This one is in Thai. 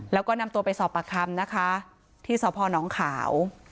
แล้วก็นำตัวไปสอบปากคำนะคะที่สอบภอล์หนองขาว